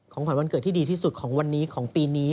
ขวัญวันเกิดที่ดีที่สุดของวันนี้ของปีนี้